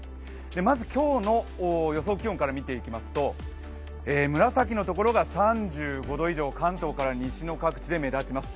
まず今日の予想気温から見ていきますと紫の所が３５度以上、関東から西の各地で目立ちます。